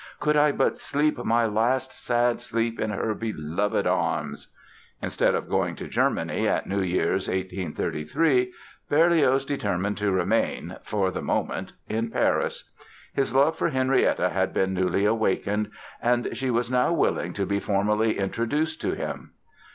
Could I but sleep my last sad sleep in her beloved arms"! Instead of going to Germany at New Year's, 1833, Berlioz determined to remain, for the moment, in Paris. His love for Henrietta had been newly awakened; and she was now willing to be formally introduced to him.